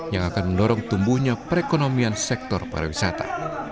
yang akan mendorong tumbuhnya perekonomian sektor pariwisata